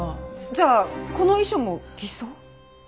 じゃあこの遺書も偽装？